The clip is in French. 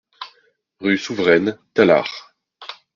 Rue Souveraine, Tallard